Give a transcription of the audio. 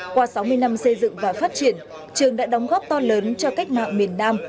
qua sáu mươi năm xây dựng và phát triển trường đã đóng góp to lớn cho cách mạng miền nam